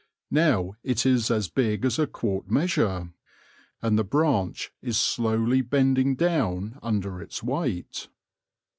Now it is as big as a quart measure, and the branch is slowly bending down under its weight.